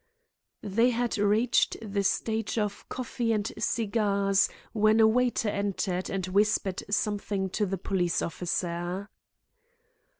They had reached the stage of coffee and cigars when a waiter entered and whispered something to the police officer.